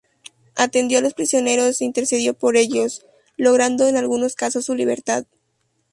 Atendió a los prisioneros e intercedió por ellos, logrando en algunos casos su libertad.